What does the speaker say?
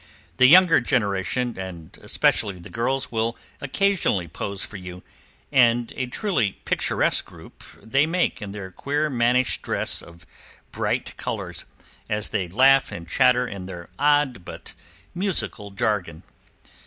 The younger generation, and especially the girls, will occasionally pose for you, and a truly picturesque group they make in their queer mannish dress of bright colors, as they laugh and chatter in their odd but musical jargon.